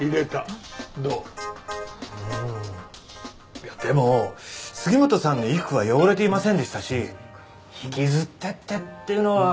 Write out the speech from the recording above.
いやでも杉本さんの衣服は汚れていませんでしたし引きずっていってというのはあまりにも大胆すぎませんか？